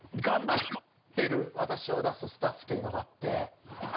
「頑張ってる私！を出すスタッフ」というのがあって。